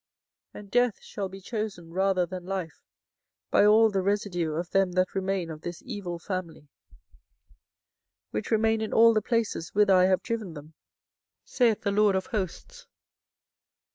24:008:003 And death shall be chosen rather than life by all the residue of them that remain of this evil family, which remain in all the places whither I have driven them, saith the LORD of hosts.